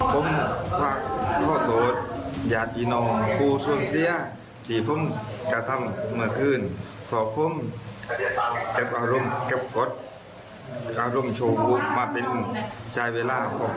และก็ผู้ที่ถูกลูกหลงผมไม่ได้เจตนาคือทำภูมิภาคข้อโทษ